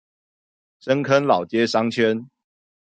深坑老街商圈